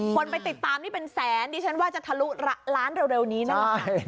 คนไปติดตามนี่เป็นแสนดิฉันว่าจะทะลุล้านเร็วนี้แน่นอน